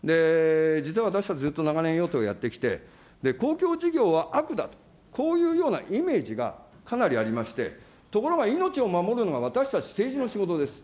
実は私はずっと長年、与党をやってきて、公共事業は悪だと、こういうようなイメージがかなりありまして、ところが命を守るのが私たち、政治の仕事です。